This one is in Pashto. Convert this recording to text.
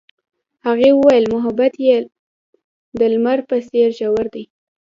هغې وویل محبت یې د لمر په څېر ژور دی.